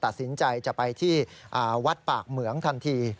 ตัดสินใจจะไปที่วัดปากเหมืองทันที